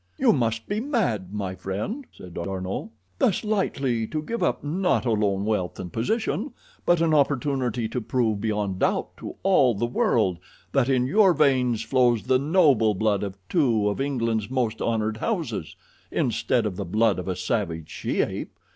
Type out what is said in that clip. "You must be mad, my friend," said D'Arnot, "thus lightly to give up not alone wealth and position, but an opportunity to prove beyond doubt to all the world that in your veins flows the noble blood of two of England's most honored houses—instead of the blood of a savage she ape.